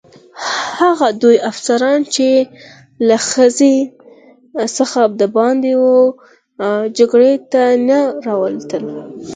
هغه دوه افسران چې له خزې څخه دباندې وه جګړې ته نه راوتل.